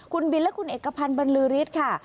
คุณบินและคุณเอกพันธ์บรรลือฤทธิ์ค่ะ